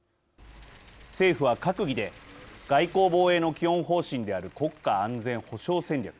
政府は閣議で外交防衛の基本方針である国家安全保障戦略